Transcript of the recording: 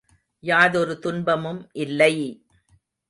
யாதொரு துன்பமும் இல்லை!